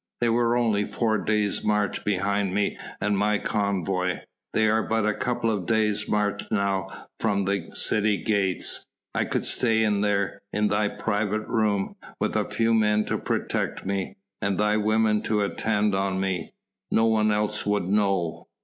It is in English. they were only four days' march behind me and my convoy ... they are but a couple of days' march now from the city gates ... I could stay in there ... in thy private room ... with a few men to protect me ... and thy women to attend on me ... no one else would know...."